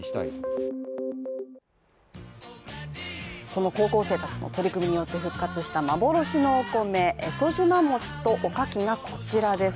その高校生たちの取り組みによって復活した幻のお米、エソジマモチとおかきがこちらです。